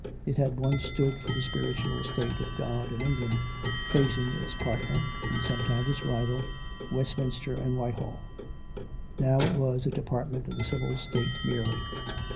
It had once stood for the spiritual State of God in England, facing its partner — (and sometimes its rival) — Westminster and Whitehall; now it was a department of the civil State merely.